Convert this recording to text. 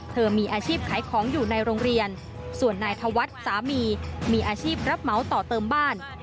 มีอาชีพขายของอยู่ในโรงเรียนส่วนนายธวัฒน์สามีมีอาชีพรับเหมาต่อเติมบ้าน